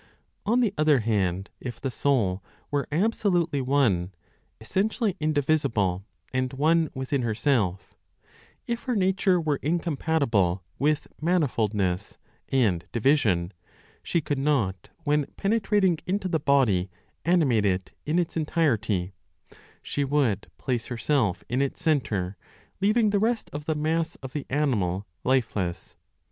On the other hand, if the soul were absolutely one, essentially indivisible and one within herself, if her nature were incompatible with manifoldness and division, she could not, when penetrating into the body, animate it in its entirety; she would place herself in its centre, leaving the rest of the mass of the animal lifeless.